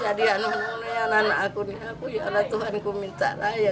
jadi anak anakku ini ya allah tuhan aku minta raya ya allah